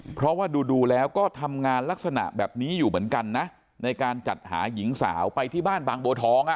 เพราะว่าดูแล้วก็ทำงานลักษณะแบบนี้อยู่เหมือนกันนะในการจัดหาหญิงสาวไปที่บ้านบางบัวทอง